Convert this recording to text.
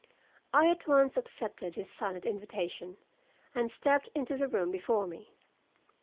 I at once accepted his silent invitation and stepped into the room before me.